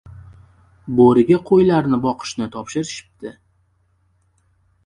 • Bo‘riga qo‘ylarni boqishni topshirishibdi.